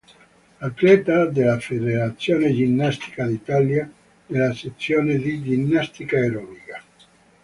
Atleta della Federazione Ginnastica d'Italia, nella sezione di Ginnastica aerobica.